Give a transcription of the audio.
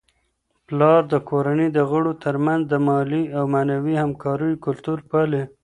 پلار د کورنی د غړو ترمنځ د مالي او معنوي همکاریو کلتور پالي.